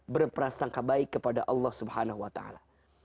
berprasangka baik kepada allah subhanahu wa ta'ala